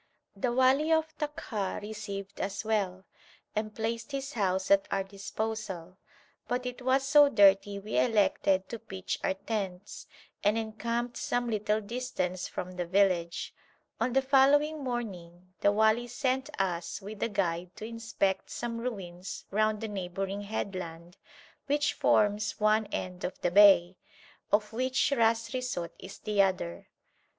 The wali of Takha received us well, and placed his house at our disposal, but it was so dirty we elected to pitch our tents, and encamped some little distance from the village. On the following morning the wali sent us with a guide to inspect some ruins round the neighbouring headland which forms one end of the bay, of which Ras Risout is the other.